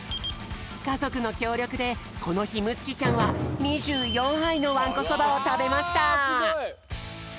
かぞくのきょうりょくでこのひむつきちゃんは２４はいのわんこそばをたべました！